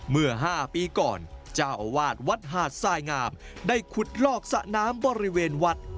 เมื่อ๕ปีก่อนเจ้าอาวาสวัดหาดทรายงามได้ขุดลอกสระน้ำบริเวณวัด